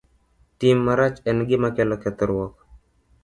Tim marach en gima kelo kethruok.